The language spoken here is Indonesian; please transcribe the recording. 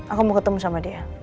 aku mau ketemu sama dia